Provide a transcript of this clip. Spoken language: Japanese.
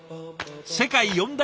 世界四大